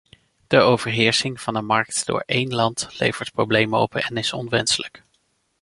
De overheersing van een markt door één land levert problemen op en is onwenselijk.